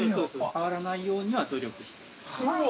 変わらないように、努力してる。